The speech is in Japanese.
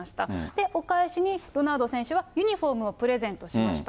で、お返しにロナウド選手はユニホームをプレゼントしました。